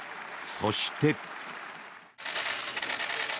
そして。